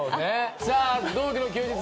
さあ同期の休日。